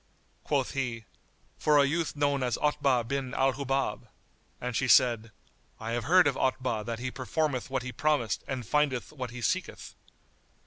Quoth he, "For a youth known as Otbah bin al Hubab;" and she said, "I have heard of Otbah that he performeth what he promiseth and findeth what he seeketh."